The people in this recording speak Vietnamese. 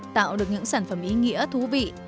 tạo được những sản phẩm ý nghĩa thú vị